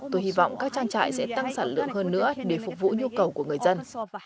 tôi hy vọng các trang trại sẽ tăng sản lượng hơn nữa để phục vụ nhu cầu của người dân